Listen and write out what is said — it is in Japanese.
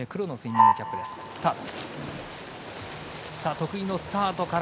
得意のスタートから。